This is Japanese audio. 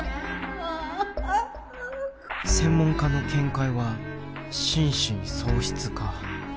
専門家の見解は心神喪失か。